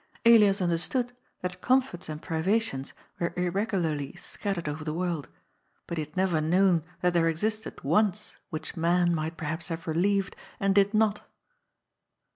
Elias understood that comforts and privations were irregularly scattered over the world. But he had never known that there existed wants which man might per haps have relieved, and did not.